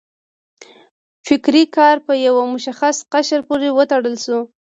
فکري کار په یو مشخص قشر پورې وتړل شو.